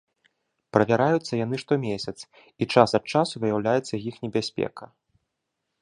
Правяраюцца яны штомесяц, і час ад часу выяўляецца іх небяспека.